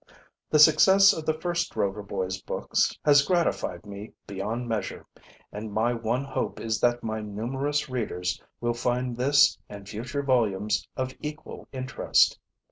The success of the first Rover Boys books has gratified me beyond measure, and my one hope is that my numerous readers will find this and future volumes of equal interest.